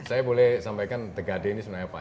saya boleh sampaikan the gade ini sebenarnya apa